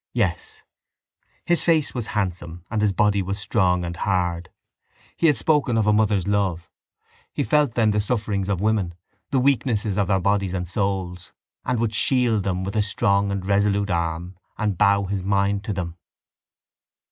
Yes. His face was handsome and his body was strong and hard. He had spoken of a mother's love. He felt then the sufferings of women, the weaknesses of their bodies and souls: and would shield them with a strong and resolute arm and bow his mind to them.